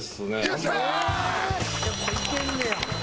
やっぱいけんねや。